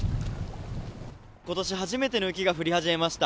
ことし初めての雪が降り始めました。